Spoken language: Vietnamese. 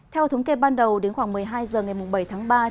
theo thống kê ban đầu đến khoảng một mươi hai h ngày bảy tháng ba